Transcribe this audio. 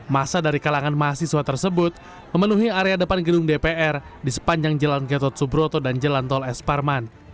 masa dari kalangan mahasiswa tersebut memenuhi area depan gedung dpr di sepanjang jalan gatot subroto dan jalan tol es parman